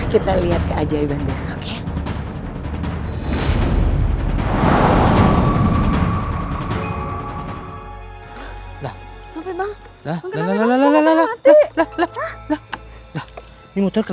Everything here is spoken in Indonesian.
kita lihat keajaiban besok ya